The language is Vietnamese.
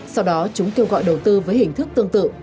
sau đó chúng kêu gọi đầu tư với hình thức tương tự